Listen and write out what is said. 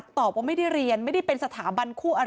เหตุการณ์เกิดขึ้นแถวคลองแปดลำลูกกา